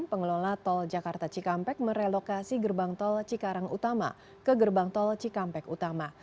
pengelola tol jakarta cikampek merelokasi gerbang tol cikarang utama ke gerbang tol cikampek utama